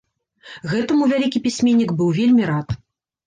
Гэтаму вялікі пісьменнік быў вельмі рад.